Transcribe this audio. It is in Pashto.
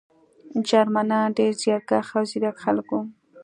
جرمنان ډېر زیارکښ او ځیرک خلک وو